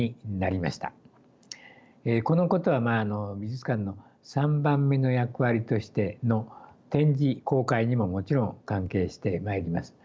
このことは美術館の３番目の役割としての展示公開にももちろん関係してまいります。